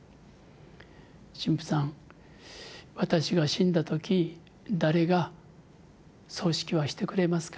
「神父さん私が死んだ時誰が葬式ばしてくれますか？」